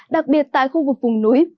đặc biệt tại khu vực vùng núi